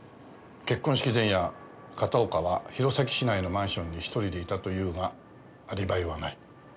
結婚式前夜片岡は弘前市内のマンションに１人でいたというがアリバイはない。